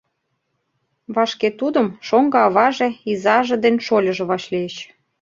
«...Вашке тудым шоҥго аваже, изаже ден шольыжо вашлийыч.